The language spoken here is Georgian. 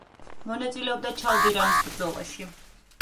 მონაწილეობდა ჩალდირანის ბრძოლაში.